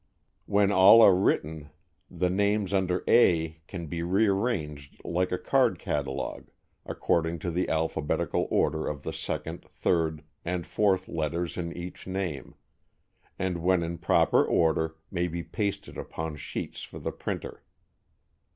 When all are written, the names under "A" can be rearranged like a card catalog, according to the alphabetical order of the second, third and fourth letters in each name, and when in proper order may be pasted upon sheets for the printer.